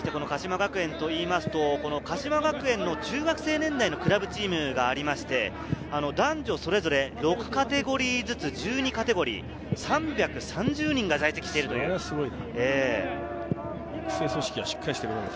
鹿島学園というと、鹿島学園の中学生年代のクラブチームがあって、男女それぞれ６カテゴリーずつ１２カテゴリー、３３０人が在籍しているそうです。